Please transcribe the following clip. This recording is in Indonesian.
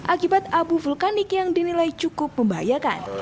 akibat abu vulkanik yang dinilai cukup membahayakan